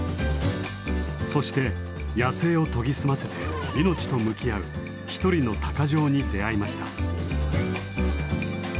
そして野生を研ぎ澄ませて命と向き合う一人の鷹匠に出会いました。